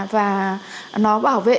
và nó bảo vệ